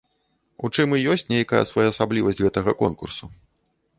У чым і ёсць нейкая своеасаблівасць гэтага конкурсу.